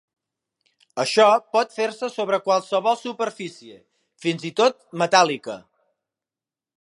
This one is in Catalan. Això pot fer-se sobre qualsevol superfície, fins i tot metàl·lica.